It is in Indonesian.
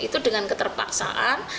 itu dengan keterpaksaan